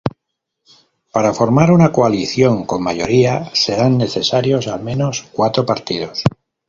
Para formar una coalición con mayoría serán necesarios al menos cuatro partidos.